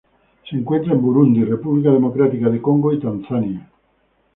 Se encuentra en Burundi República Democrática del Congo y Tanzania.